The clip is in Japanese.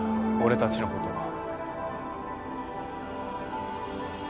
俺たちのこと。